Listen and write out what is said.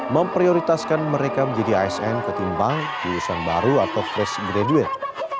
memprioritaskan mereka menjadi asn ketimbang lulusan baru atau fresh graduate